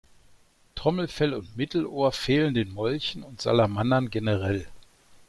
Trommelfell und Mittelohr fehlen den Molchen und Salamandern generell.